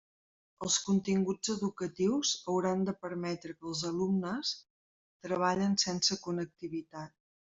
Els continguts educatius hauran de permetre que els alumnes treballen sense connectivitat.